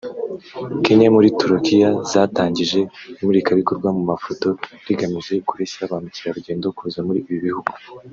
Kenya muri Turukiya zatangije imurikabikorwa mu mafoto rigamije kureshya ba mukerarugendo kuza muri ibi bihugu